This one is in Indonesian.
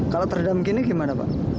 kalau terendam gini gimana pak